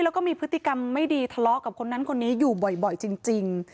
แล้วก็มีพฤติกรรมไม่ดีทะเลาะกับคนนั้นคนนี้อยู่บ่อยจริง